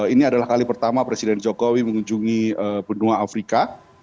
ini adalah kali pertama presiden jokowi mengunjungi benua afrika